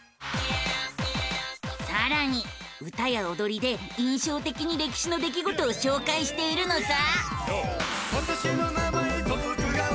さらに歌やおどりで印象的に歴史の出来事を紹介しているのさ！